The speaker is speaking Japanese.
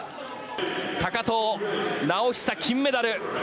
高藤直寿、金メダル！